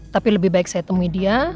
tapi lebih baik saya temui dia